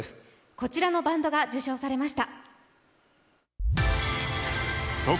こちらのバンドが受賞されました。